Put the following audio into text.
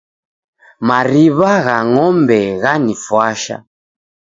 Mariw'agha ng'ombe ghanifwasha.